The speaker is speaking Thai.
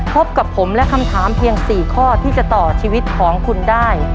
พบกับผมและคำถามเพียง๔ข้อที่จะต่อชีวิตของคุณได้